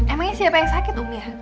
emangnya siapa yang sakit umi ya